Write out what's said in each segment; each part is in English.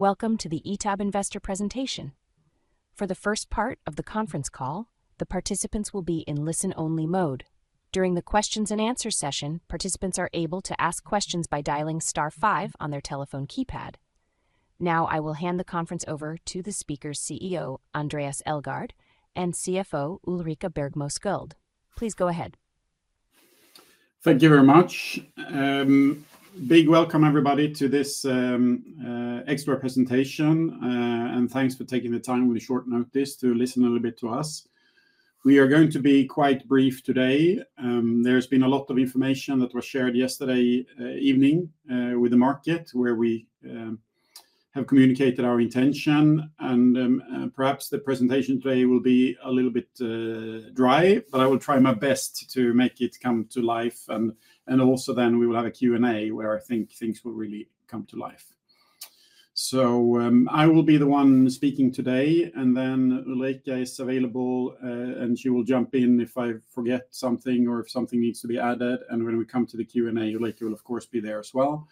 Welcome to the ITAB Investor Presentation. For the first part of the conference call, the participants will be in listen-only mode. During the questions and answer session, participants are able to ask questions by dialing star five on their telephone keypad. Now, I will hand the conference over to the speaker, CEO Andréas Elgaard, and CFO Ulrika Bergmo Sköld. Please go ahead. Thank you very much. Big welcome everybody to this extra presentation, and thanks for taking the time with short notice to listen a little bit to us. We are going to be quite brief today. There's been a lot of information that was shared yesterday evening with the market, where we have communicated our intention, and perhaps the presentation today will be a little bit dry, but I will try my best to make it come to life, and also then we will have a Q&A, where I think things will really come to life, so I will be the one speaking today, and then Ulrika is available, and she will jump in if I forget something or if something needs to be added. And when we come to the Q&A, Ulrika will, of course, be there as well,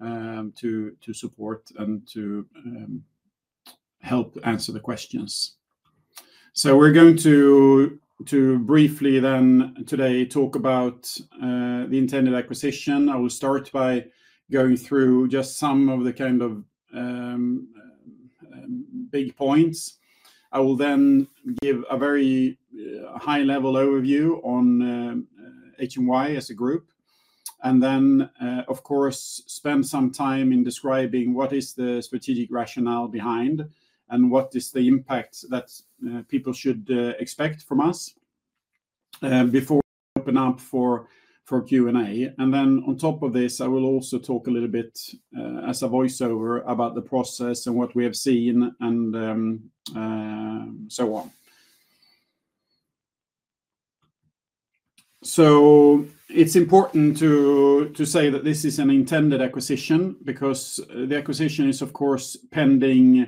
to support and to help answer the questions. So we're going to briefly then today talk about the intended acquisition. I will start by going through just some of the kind of big points. I will then give a very high-level overview on HMY as a group, and then of course spend some time in describing what is the strategic rationale behind, and what is the impact that people should expect from us before we open up for Q&A. And then on top of this, I will also talk a little bit as a voiceover about the process and what we have seen and so on. It's important to say that this is an intended acquisition because the acquisition is of course pending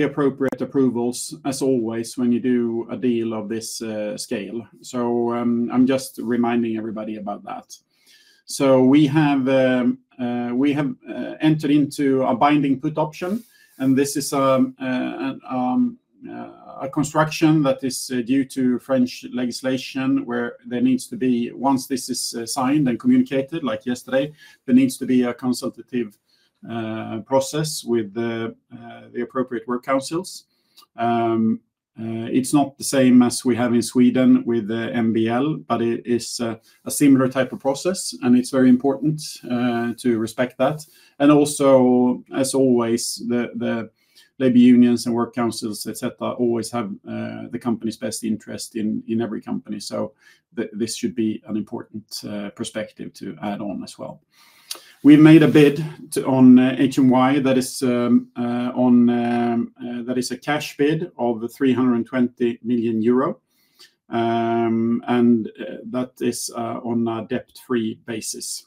the appropriate approvals, as always when you do a deal of this scale. I'm just reminding everybody about that. We have entered into a binding put option, and this is a construction that is due to French legislation, where there needs to be... Once this is signed and communicated, like yesterday, there needs to be a consultative process with the appropriate works councils. It's not the same as we have in Sweden with the MBL, but it is a similar type of process, and it's very important to respect that. And also, as always, the labor unions and work councils, et cetera, always have the company's best interest in every company, so this should be an important perspective to add on as well. We've made a bid on HMY that is a cash bid of 320 million euro, and that is on a debt-free basis.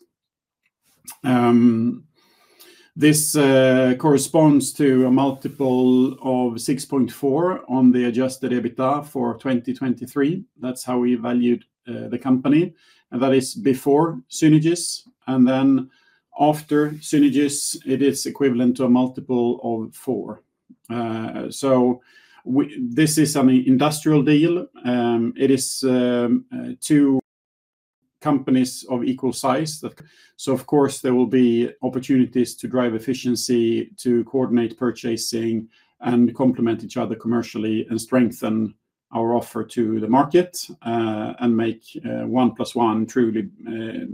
This corresponds to a multiple of 6.4 on the Adjusted EBITDA for 2023. That's how we valued the company, and that is before synergies. And then after synergies, it is equivalent to a multiple of 4. So this is an industrial deal. It is two companies of equal size, so of course, there will be opportunities to drive efficiency, to coordinate purchasing, and complement each other commercially, and strengthen our offer to the market, and make one plus one truly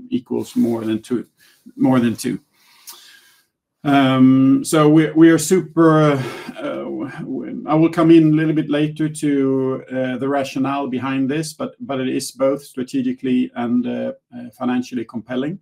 equals more than two, more than two. So we are super. I will come in a little bit later to the rationale behind this, but it is both strategically and financially compelling.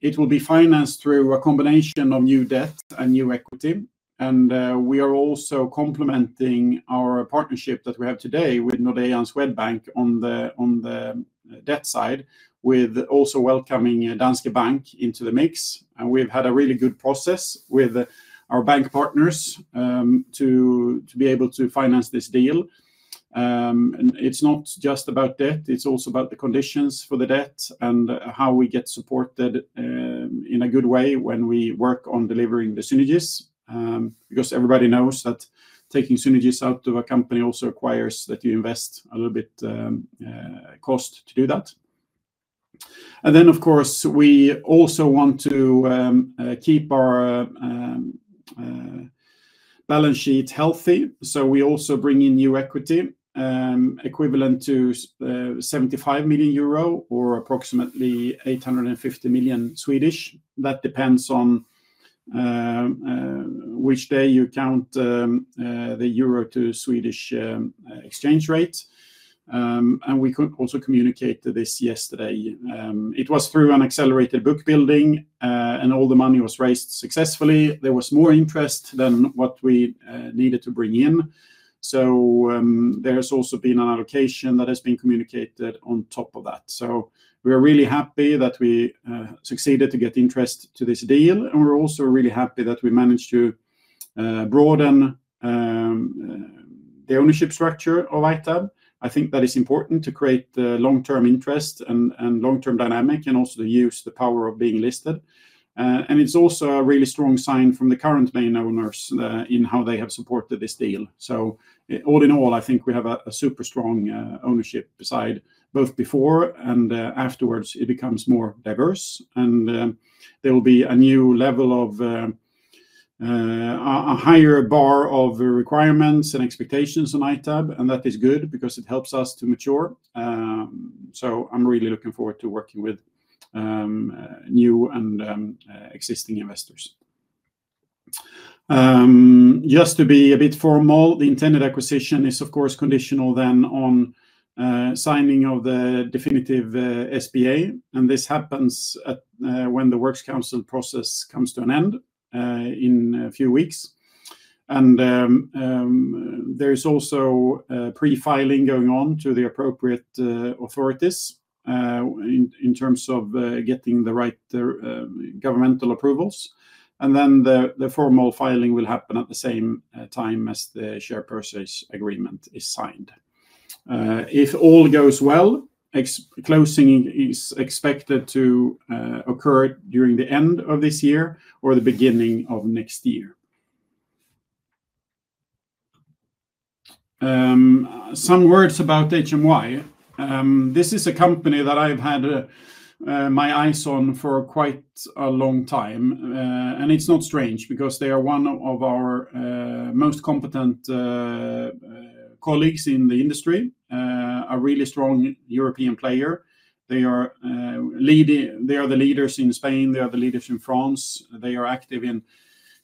It will be financed through a combination of new debt and new equity, and we are also complementing our partnership that we have today with Nordea and Swedbank on the debt side, with also welcoming Danske Bank into the mix. We've had a really good process with our bank partners to be able to finance this deal. And it's not just about debt, it's also about the conditions for the debt and how we get supported in a good way when we work on delivering the synergies. Because everybody knows that taking synergies out of a company also requires that you invest a little bit cost to do that. And then, of course, we also want to keep our balance sheet healthy, so we also bring in new equity equivalent to 75 million euro or approximately 850 million SEK. That depends on which day you count the euro to Swedish exchange rate. And we could also communicate this yesterday. It was through an accelerated book building and all the money was raised successfully. There was more interest than what we needed to bring in. So, there's also been an allocation that has been communicated on top of that. So we are really happy that we succeeded to get interest to this deal, and we're also really happy that we managed to broaden the ownership structure of ITAB. I think that is important to create the long-term interest and long-term dynamic, and also use the power of being listed. And it's also a really strong sign from the current main owners in how they have supported this deal. All in all, I think we have a super strong ownership base both before and afterwards. It becomes more diverse, and there will be a new level of a higher bar of requirements and expectations on ITAB, and that is good because it helps us to mature. So I'm really looking forward to working with new and existing investors. Just to be a bit formal, the intended acquisition is, of course, conditional then on signing of the definitive SPA, and this happens when the works council process comes to an end in a few weeks. There is also pre-filing going on to the appropriate authorities in terms of getting the right governmental approvals, and then the formal filing will happen at the same time as the Share Purchase Agreement is signed. If all goes well, closing is expected to occur during the end of this year or the beginning of next year. Some words about HMY. This is a company that I've had my eyes on for quite a long time, and it's not strange because they are one of our most competent colleagues in the industry, a really strong European player. They are the leaders in Spain. They are the leaders in France. They are active in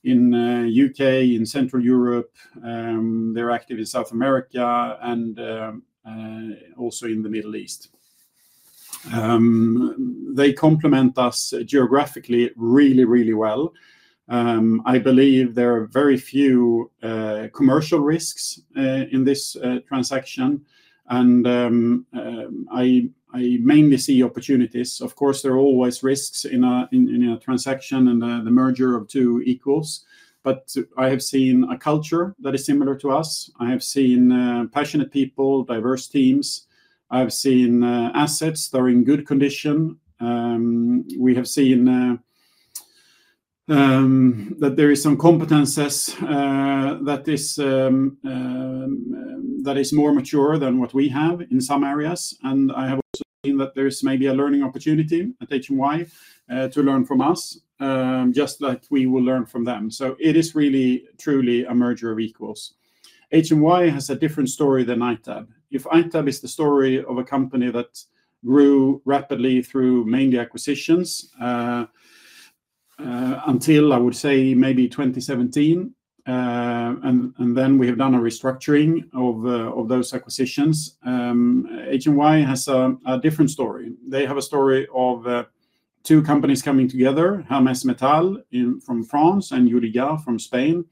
U.K., in Central Europe, they're active in South America, and also in the Middle East. They complement us geographically really, really well. I believe there are very few commercial risks in this transaction, and I mainly see opportunities. Of course, there are always risks in a transaction and the merger of two equals, but I have seen a culture that is similar to us. I have seen passionate people, diverse teams. I've seen assets that are in good condition. We have seen that there is some competencies that is more mature than what we have in some areas, and I have also seen that there's maybe a learning opportunity at HMY to learn from us, just like we will learn from them. So it is really, truly a merger of equals. HMY has a different story than ITAB. If ITAB is the story of a company that grew rapidly through mainly acquisitions until, I would say, maybe 2017, and then we have done a restructuring of those acquisitions, HMY has a different story. They have a story of two companies coming together, Hermès Métal from France and Yudigar from Spain,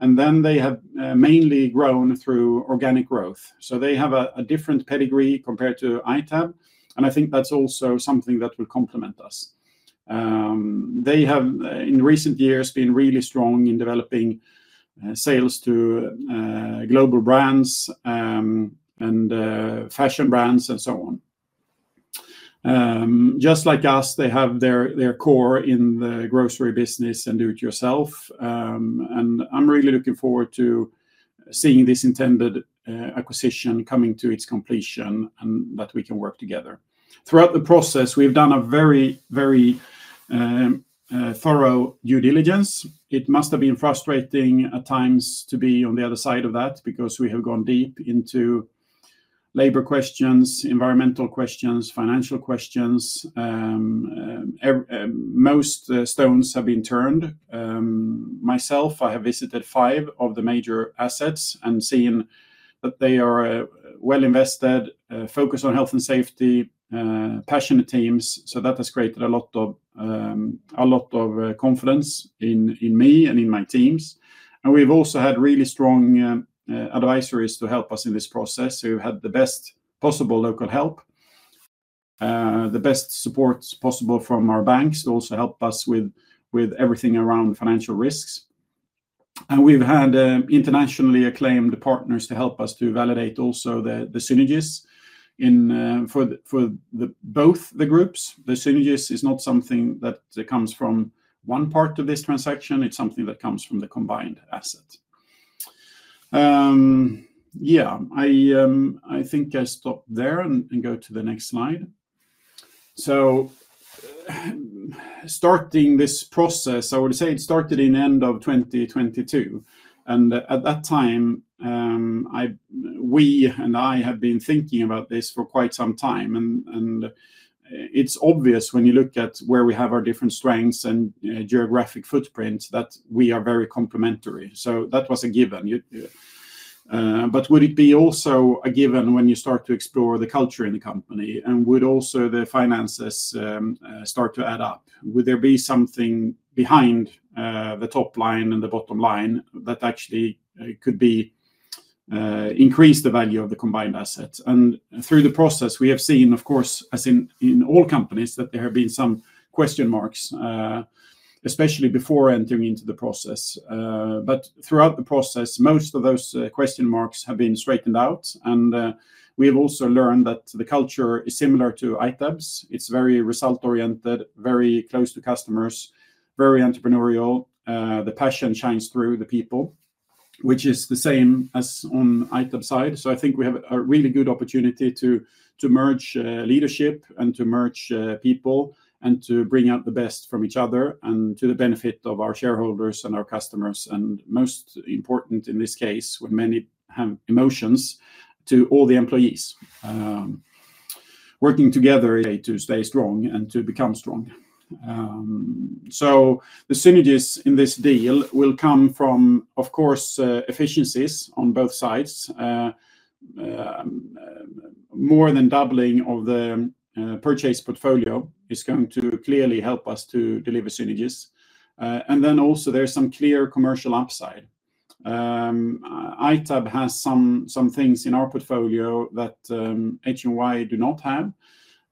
and then they have mainly grown through organic growth. So they have a different pedigree compared to ITAB, and I think that's also something that will complement us. They have in recent years been really strong in developing sales to global brands and fashion brands, and so on. Just like us, they have their core in the grocery business and do-it-yourself, and I'm really looking forward to seeing this intended acquisition coming to its completion, and that we can work together. Throughout the process, we've done a very, very thorough due diligence. It must have been frustrating at times to be on the other side of that because we have gone deep into labor questions, environmental questions, financial questions. Most stones have been turned. Myself, I have visited five of the major assets and seen that they are well invested, focused on health and safety, passionate teams, so that has created a lot of confidence in me and in my teams. And we've also had really strong advisors to help us in this process, who had the best possible local help, the best support possible from our banks to also help us with everything around financial risks. And we've had internationally acclaimed partners to help us to validate also the synergies for both groups. The synergies is not something that comes from one part of this transaction, it's something that comes from the combined asset. I think I stop there and go to the next slide. So starting this process, I would say it started in end of 2022, and at that time, we and I have been thinking about this for quite some time, and it's obvious when you look at where we have our different strengths and geographic footprints, that we are very complementary. So that was a given. But would it be also a given when you start to explore the culture in the company, and would also the finances start to add up? Would there be something behind the top line and the bottom line that actually could increase the value of the combined assets. And through the process, we have seen, of course, as in all companies, that there have been some question marks, especially before entering into the process. But throughout the process, most of those question marks have been straightened out, and we have also learned that the culture is similar to ITAB's. It's very result-oriented, very close to customers, very entrepreneurial. The passion shines through the people, which is the same as on ITAB's side. So I think we have a really good opportunity to merge leadership and to merge people, and to bring out the best from each other and to the benefit of our shareholders and our customers, and most important in this case, when many have emotions, to all the employees. Working together to stay strong and to become strong. So the synergies in this deal will come from, of course, efficiencies on both sides. More than doubling of the purchase portfolio is going to clearly help us to deliver synergies. And then also there's some clear commercial upside. ITAB has some, some things in our portfolio that HMY do not have,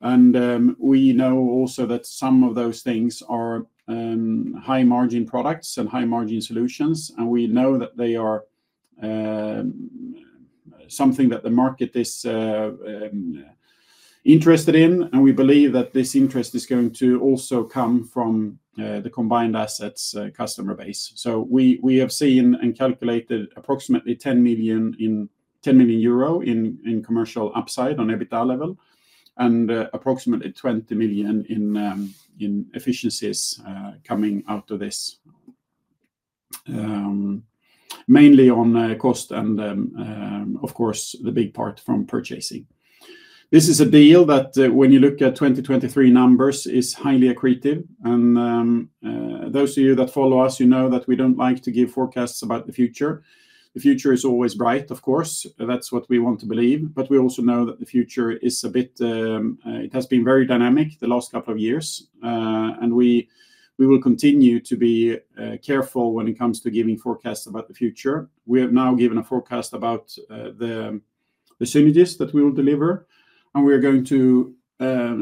and we know also that some of those things are high-margin products and high-margin solutions, and we know that they are something that the market is interested in. And we believe that this interest is going to also come from the combined assets customer base. So we have seen and calculated approximately 10 million euro in commercial upside on EBITDA level, and approximately 20 million in efficiencies coming out of this. Mainly on cost and, of course, the big part from purchasing. This is a deal that when you look at 2023 numbers is highly accretive. And, those of you that follow us, you know that we don't like to give forecasts about the future. The future is always bright, of course. That's what we want to believe, but we also know that the future is a bit. It has been very dynamic the last couple of years. And we will continue to be careful when it comes to giving forecasts about the future. We have now given a forecast about the synergies that we will deliver, and we are going to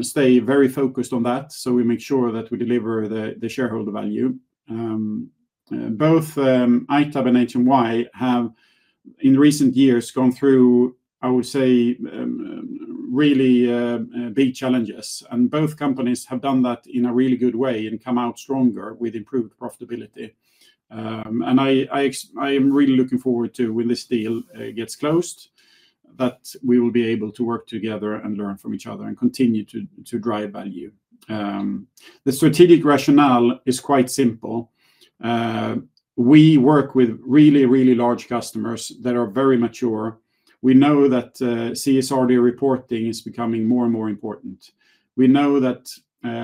stay very focused on that, so we make sure that we deliver the shareholder value. Both ITAB and HMY have, in recent years, gone through, I would say, really big challenges, and both companies have done that in a really good way and come out stronger with improved profitability. And I am really looking forward to when this deal gets closed, that we will be able to work together and learn from each other and continue to drive value. The strategic rationale is quite simple. We work with really, really large customers that are very mature. We know that CSRD reporting is becoming more and more important. We know that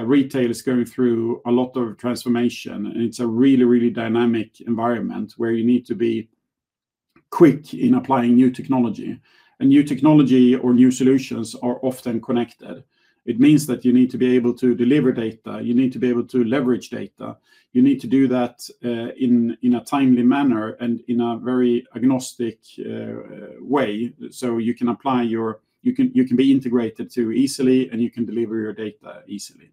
retail is going through a lot of transformation, and it's a really, really dynamic environment, where you need to be quick in applying new technology, and new technology or new solutions are often connected. It means that you need to be able to deliver data. You need to be able to leverage data. You need to do that in a timely manner and in a very agnostic way, so you can be integrated too easily, and you can deliver your data easily.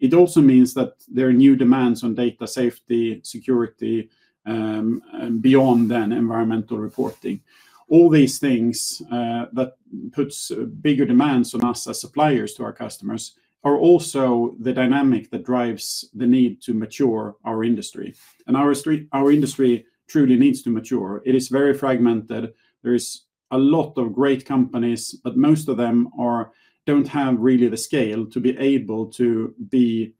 It also means that there are new demands on data safety, security, and beyond that, environmental reporting. All these things that puts bigger demands on us as suppliers to our customers are also the dynamic that drives the need to mature our industry. Our industry truly needs to mature. It is very fragmented. There is a lot of great companies, but most of them don't have really the scale to be able to be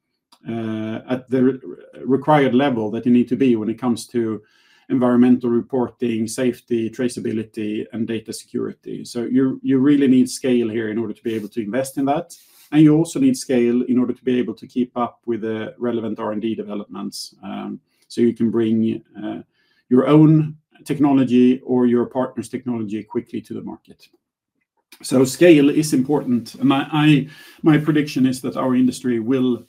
at the required level that you need to be when it comes to environmental reporting, safety, traceability, and data security. So you really need scale here in order to be able to invest in that, and you also need scale in order to be able to keep up with the relevant R&D developments. So you can bring your own technology or your partner's technology quickly to the market. So scale is important, and I. My prediction is that our industry will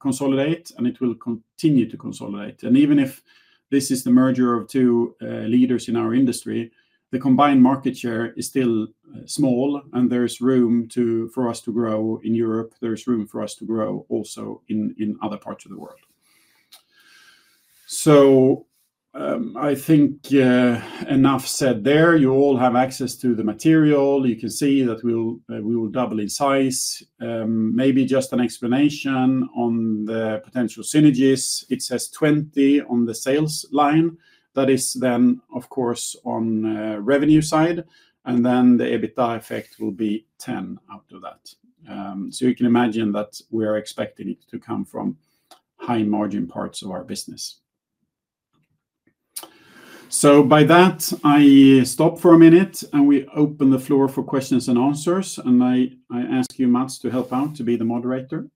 consolidate, and it will continue to consolidate. And even if this is the merger of two leaders in our industry, the combined market share is still small, and there's room for us to grow in Europe. There's room for us to grow also in other parts of the world. So I think enough said there. You all have access to the material. You can see that we will double in size. Maybe just an explanation on the potential synergies. It says 20 on the sales line. That is then, of course, on revenue side, and then the EBITDA effect will be 10 out of that, so you can imagine that we are expecting it to come from high-margin parts of our business, so by that, I stop for a minute, and we open the floor for questions and answers, and I ask you, Mats, to help out to be the moderator.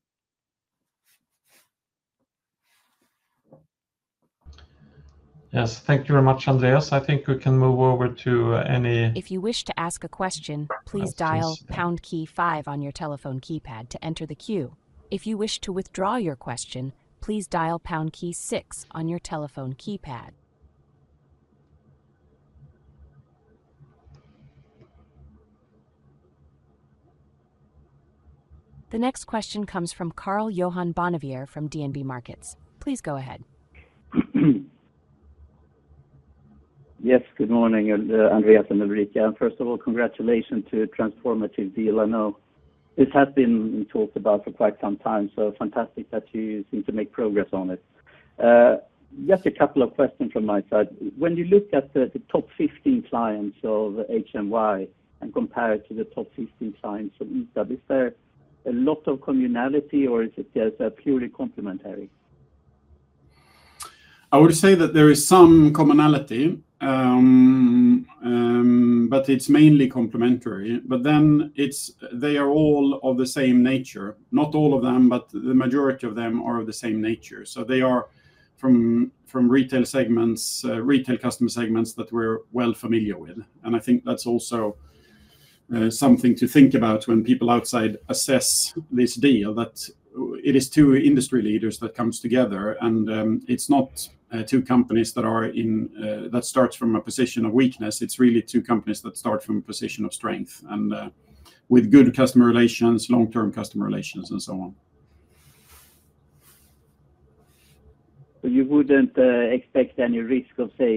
Yes, thank you very much, Andreas. I think we can move over to any- If you wish to ask a question, please dial #5 on your telephone keypad to enter the queue. If you wish to withdraw your question, please dial #6 on your telephone keypad.... The next question comes from Carl-Johan Bonnevier from DNB Markets. Please go ahead. Yes, good morning, Andreas and Ulrika. And first of all, congratulations to a transformative deal. I know this has been talked about for quite some time, so fantastic that you seem to make progress on it. Just a couple of questions from my side. When you look at the top 15 clients of HMY and compare it to the top 15 clients from ITAB, is there a lot of commonality or is it just purely complementary? I would say that there is some commonality, but it's mainly complementary. But then it's they are all of the same nature. Not all of them, but the majority of them are of the same nature. So they are from retail segments, retail customer segments that we're well familiar with. And I think that's also something to think about when people outside assess this deal, that it is two industry leaders that comes together, and it's not two companies that are in that starts from a position of weakness. It's really two companies that start from a position of strength and with good customer relations, long-term customer relations, and so on. So you wouldn't expect any risk of, say,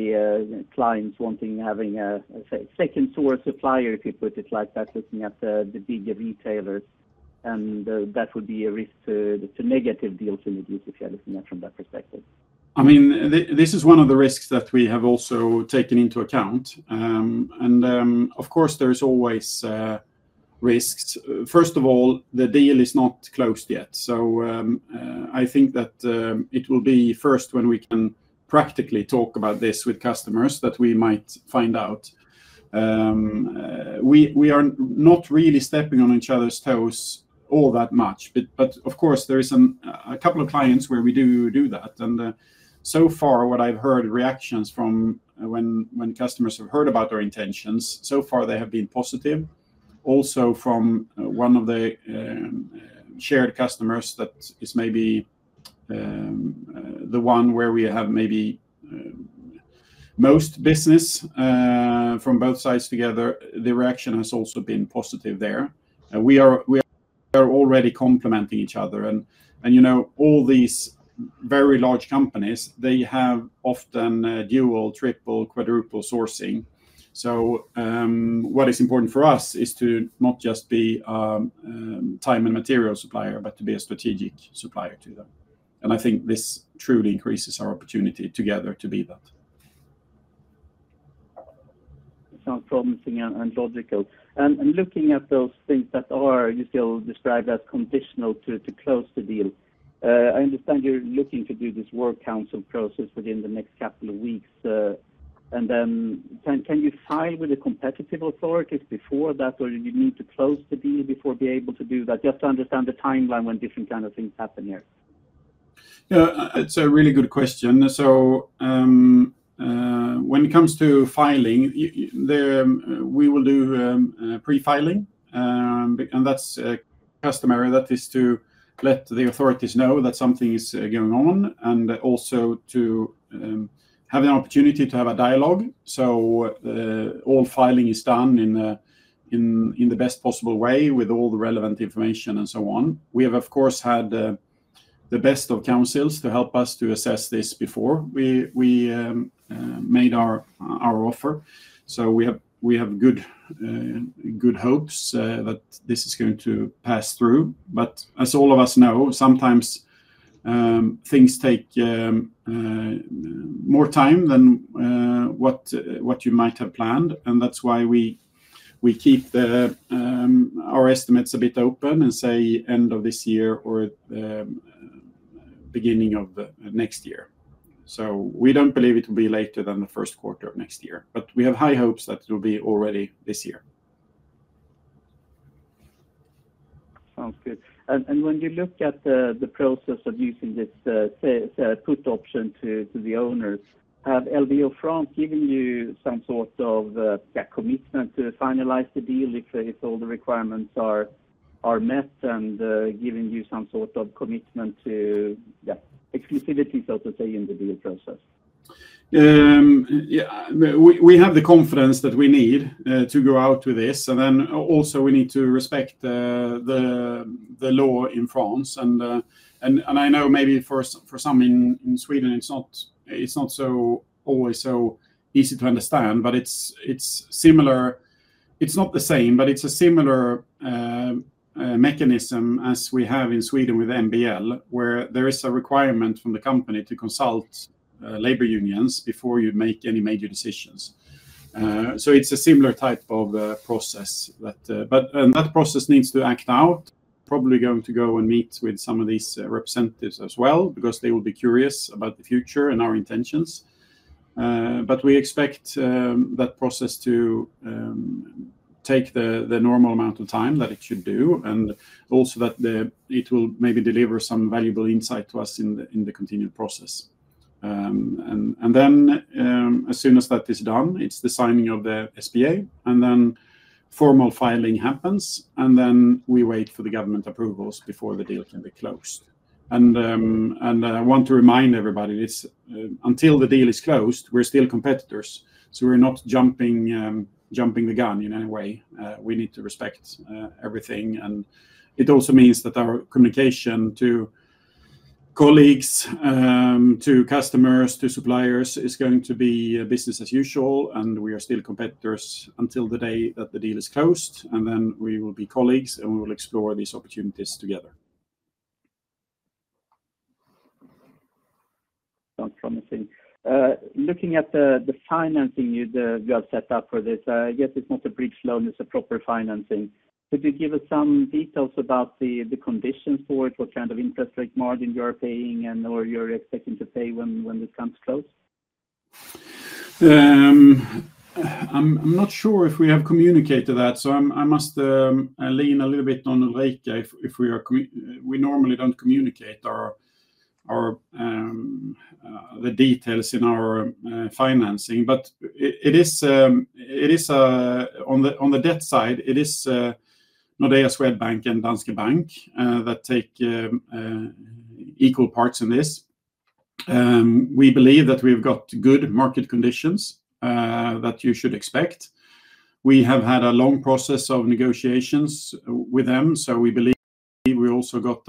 clients wanting, having a say, second-source supplier, if you put it like that, looking at the bigger retailers, and that would be a risk to negative the ultimate use, if you are looking at from that perspective? I mean, this is one of the risks that we have also taken into account. And, of course, there's always risks. First of all, the deal is not closed yet, so I think that it will be first when we can practically talk about this with customers, that we might find out. We are not really stepping on each other's toes all that much. But of course, there is a couple of clients where we do that. And so far, what I've heard reactions from when customers have heard about our intentions, so far they have been positive. Also from one of the shared customers that is maybe the one where we have maybe most business from both sides together, the reaction has also been positive there. We are already complementing each other, and you know, all these very large companies, they have often dual, triple, quadruple sourcing. So, what is important for us is to not just be time and material supplier, but to be a strategic supplier to them, and I think this truly increases our opportunity together to be that. Sounds promising and logical. Looking at those things that you still describe as conditions to close the deal, I understand you're looking to do this works council process within the next couple of weeks, and then can you file with the competition authorities before that, or you need to close the deal before being able to do that? Just to understand the timeline when different kind of things happen here. Yeah, it's a really good question. So, when it comes to filing, we will do pre-filing, and that's customary. That is to let the authorities know that something is going on, and also to have an opportunity to have a dialogue. So the whole filing is done in the best possible way with all the relevant information and so on. We have, of course, had the best of counsels to help us to assess this before we made our offer. So we have good hopes that this is going to pass through. But as all of us know, sometimes things take more time than what you might have planned, and that's why we keep our estimates a bit open and say end of this year or beginning of the next year. So we don't believe it will be later than the first quarter of next year, but we have high hopes that it will be already this year. Sounds good. And when you look at the process of using this, say, put option to the owners, have LBO France given you some sort of, yeah, commitment to finalize the deal if all the requirements are met and given you some sort of commitment to, yeah, exclusivity, so to say, in the deal process? Yeah, we have the confidence that we need to go out with this, and then also we need to respect the law in France. And I know maybe for some in Sweden, it's not always so easy to understand, but it's similar. It's not the same, but it's a similar mechanism as we have in Sweden with MBL, where there is a requirement from the company to consult labor unions before you make any major decisions. So it's a similar type of process, but. And that process needs to play out. Probably going to go and meet with some of these representatives as well, because they will be curious about the future and our intentions. But we expect that process to take the normal amount of time that it should do, and also that it will maybe deliver some valuable insight to us in the continued process, and then as soon as that is done, it's the signing of the SPA, and then formal filing happens, and then we wait for the government approvals before the deal can be closed. I want to remind everybody that until the deal is closed, we're still competitors, so we're not jumping the gun in any way. We need to respect everything, and it also means that our communication to colleagues, to customers, to suppliers, is going to be business as usual, and we are still competitors until the day that the deal is closed, and then we will be colleagues, and we will explore these opportunities together. Sounds promising. Looking at the financing you have set up for this, yes, it's not a bridge loan, it's a proper financing. Could you give us some details about the conditions for it? What kind of interest rate margin you are paying and or you're expecting to pay when this comes close? I'm not sure if we have communicated that, so I must lean a little bit on Ulrika. We normally don't communicate the details in our financing, but it is on the debt side, Nordea, Swedbank and Danske Bank that take equal parts in this. We believe that we've got good market conditions that you should expect. We have had a long process of negotiations with them, so we believe we also got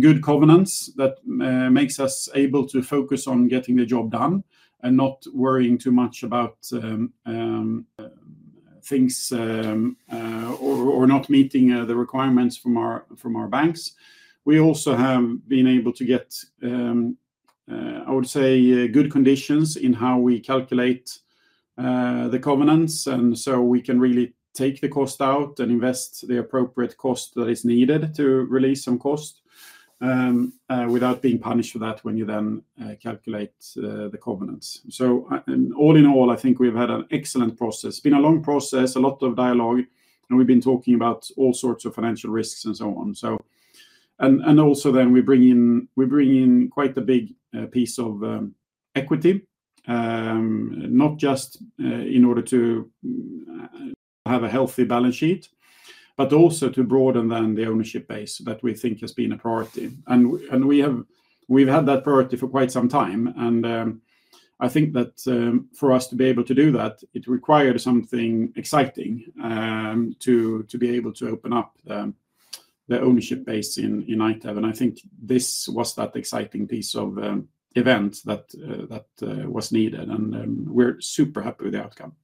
good covenants that makes us able to focus on getting the job done and not worrying too much about things or not meeting the requirements from our banks. We also have been able to get, I would say, good conditions in how we calculate, the covenants, and so we can really take the cost out and invest the appropriate cost that is needed to release some cost, without being punished for that when you then, calculate, the covenants, and all in all, I think we've had an excellent process, been a long process, a lot of dialogue, and we've been talking about all sorts of financial risks and so on, and also then we bring in quite a big piece of equity, not just in order to have a healthy balance sheet, but also to broaden then the ownership base that we think has been a priority. We've had that priority for quite some time, and I think that for us to be able to do that, it required something exciting to be able to open up the ownership base in ITAB, and I think this was that exciting piece of event that was needed, and we're super happy with the outcome.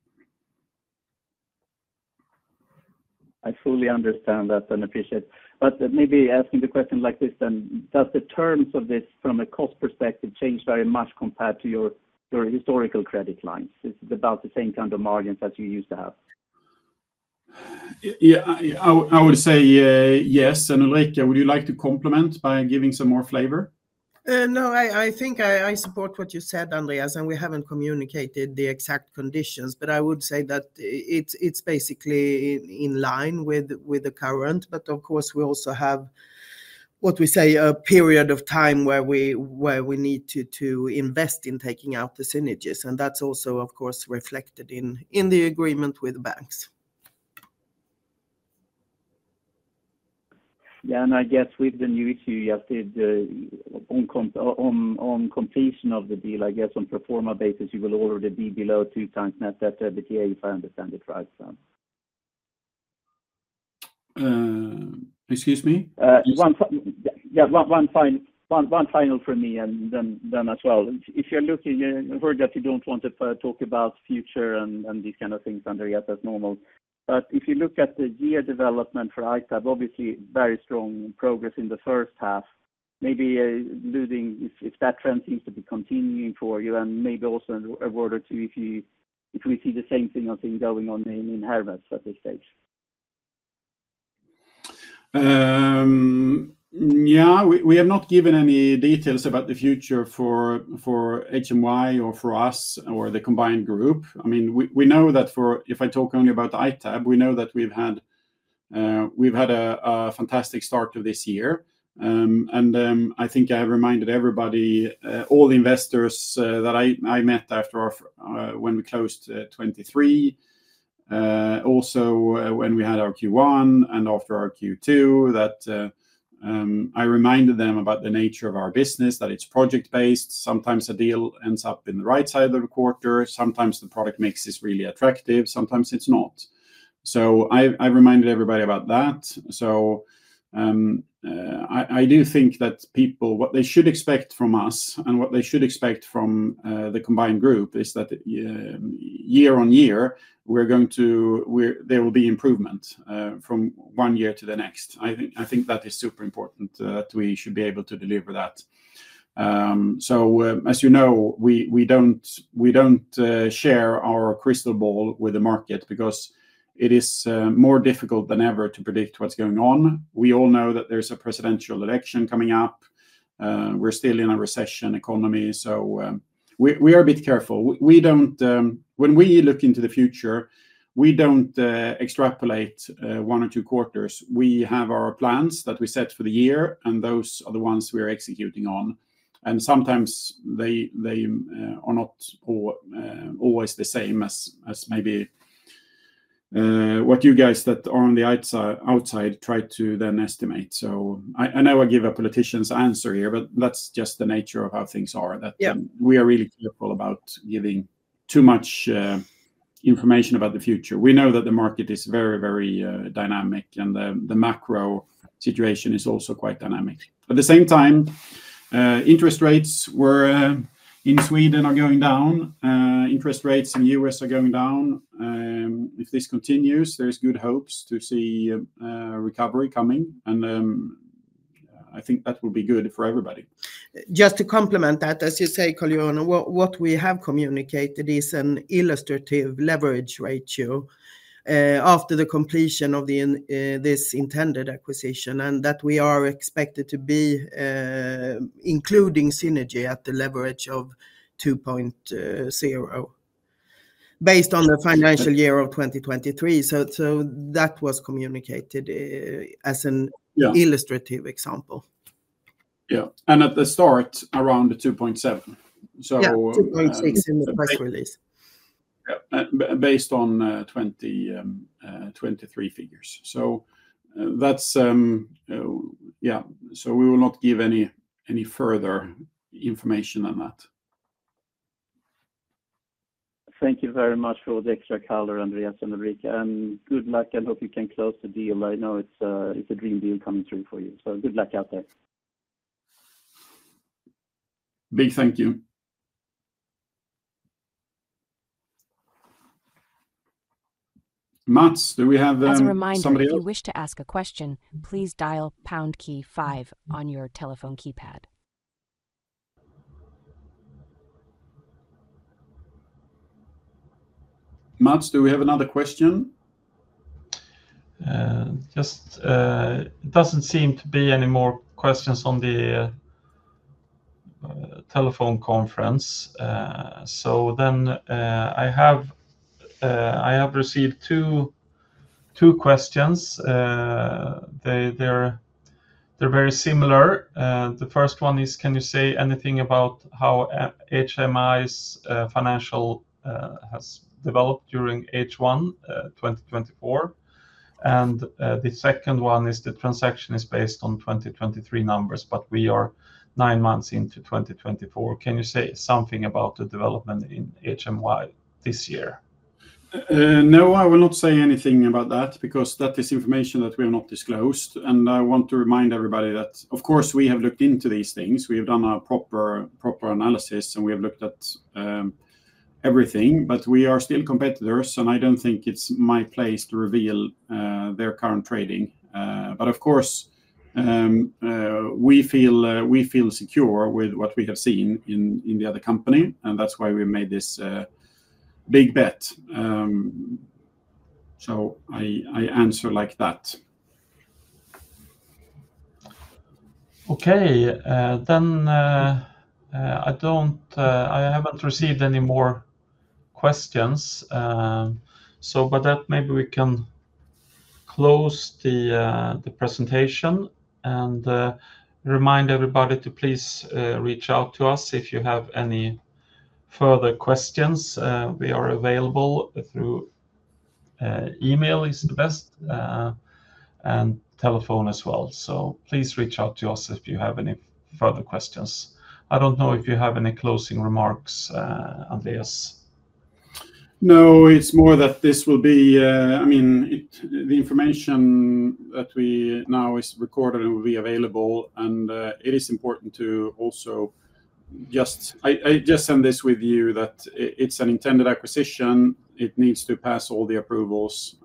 I fully understand that and appreciate, but maybe asking the question like this then, does the terms of this, from a cost perspective, change very much compared to your, your historical credit lines? It's about the same kind of margins that you used to have. Yeah, I would say, yes, and Ulrika, would you like to complement by giving some more flavor? No, I think I support what you said, Andreas, and we haven't communicated the exact conditions, but I would say that it's basically in line with the current. But of course, we also have what we say a period of time where we need to invest in taking out the synergies, and that's also, of course, reflected in the agreement with the banks. Yeah, and I guess with the new issue you just did, on completion of the deal, I guess on pro forma basis, you will already be below two times net debt to EBITDA, if I understand it right, so. Excuse me? One final from me, and then as well. If you're looking, I heard that you don't want to talk about future and these kind of things, Andreas, that's normal. But if you look at the year development for ITAB, obviously very strong progress in the first half, maybe also if that trend seems to be continuing for you and maybe also a word or two, if we see the same thing going on in Hermès at this stage. Yeah, we have not given any details about the future for HMY or for us or the combined group. I mean, we know that for... If I talk only about ITAB, we know that we've had a fantastic start to this year. I think I have reminded everybody all the investors that I met after our when we closed 2023 also when we had our Q1 and after our Q2 that I reminded them about the nature of our business, that it's project-based. Sometimes a deal ends up in the right side of the quarter, sometimes the product makes this really attractive, sometimes it's not. I reminded everybody about that. So, I do think that people, what they should expect from us and what they should expect from the combined group is that, year on year, there will be improvement from one year to the next. I think that is super important that we should be able to deliver that. So, as you know, we don't share our crystal ball with the market because it is more difficult than ever to predict what's going on. We all know that there's a presidential election coming up. We're still in a recession economy, so we are a bit careful. When we look into the future, we don't extrapolate one or two quarters. We have our plans that we set for the year, and those are the ones we are executing on, and sometimes they are not always the same as maybe what you guys that are on the outside try to then estimate. So I know I give a politician's answer here, but that's just the nature of how things are that we are really careful about giving too much information about the future. We know that the market is very, very dynamic, and the macro situation is also quite dynamic. At the same time, interest rates were in Sweden are going down. Interest rates in U.S. are going down. If this continues, there's good hopes to see a recovery coming, and I think that will be good for everybody. Just to complement that, as you say, Kalle, what we have communicated is an illustrative leverage ratio after the completion of this intended acquisition, and that we are expected to be including synergy at the leverage of 2.0, based on the financial year of 2023. So that was communicated as an illustrative example. Yeah, and at the start, around the 2.7, so- Yeah, two point six in the press release. Yeah. Based on 2023 figures. So, yeah, we will not give any further information on that. Thank you very much for the extra color, Andreas and Ulrika, and good luck. I hope you can close the deal. I know it's a dream deal coming through for you, so good luck out there. Big thank you. Mats, do we have somebody else? As a reminder, if you wish to ask a question, please dial pound key five on your telephone keypad. Mats, do we have another question? Just, there doesn't seem to be any more questions on the telephone conference. So then, I have received two questions. They're very similar. The first one is, "Can you say anything about how HMY's financial has developed during H1 2024?" The second one is, "The transaction is based on 2023 numbers, but we are nine months into 2024. Can you say something about the development in HMY this year? No, I will not say anything about that because that is information that we have not disclosed and I want to remind everybody that, of course, we have looked into these things. We have done our proper analysis, and we have looked at everything, but we are still competitors, and I don't think it's my place to reveal their current trading but of course we feel secure with what we have seen in the other company, and that's why we made this big bet so I answer like that. Okay, then I haven't received any more questions, so with that, maybe we can close the presentation and remind everybody to please reach out to us if you have any further questions. We are available through email is the best and telephone as well, so please reach out to us if you have any further questions. I don't know if you have any closing remarks, Andreas. No, it's more that this will be. I mean, it, the information that we now is recorded and will be available, and it is important to also just I just send this with you, that it's an intended acquisition. It needs to pass all the approvals.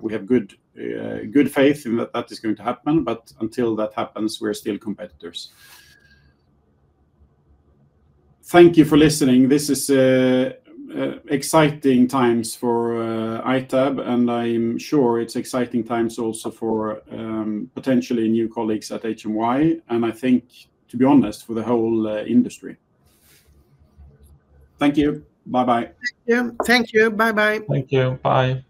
We have good faith in that that is going to happen, but until that happens, we're still competitors. Thank you for listening. This is exciting times for ITAB, and I'm sure it's exciting times also for potentially new colleagues at HMY, and I think, to be honest, for the whole industry. Thank you. Bye-bye. Yeah. Thank you. Bye-bye. Thank you. Bye.